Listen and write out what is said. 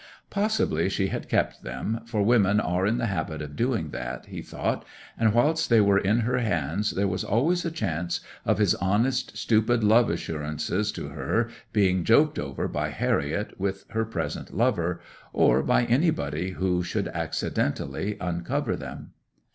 Possibly she had kept them, for women are in the habit of doing that, he thought, and whilst they were in her hands there was always a chance of his honest, stupid love assurances to her being joked over by Harriet with her present lover, or by anybody who should accidentally uncover them.